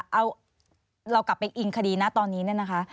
เอาเรากลับไปอิงคดีนะตอนนี้เนี่ยนะคะ